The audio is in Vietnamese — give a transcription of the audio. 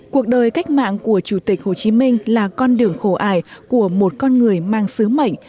cuộc đời cách mạng của chủ tịch hồ chí minh là con đường khổ ải của một con người mang sứ mệnh